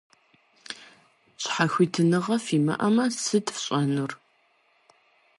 Щхьэхуитыныгъэ фимыӏэмэ, сыт фщӏэнур?